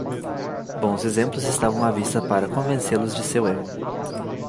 Bons exemplos estavam à vista para convencê-los de seu erro.